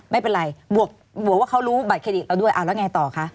ไม่เป็นไรบวกว่าเขารู้บัตรเครดิตเราด้วยแล้วไงต่อคะ